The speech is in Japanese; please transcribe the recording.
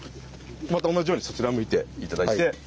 また同じようにそちら向いて頂いて。